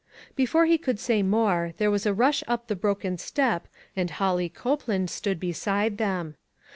Before he could say more, there was a rush up the broken step and Holly Cope land stood beside them.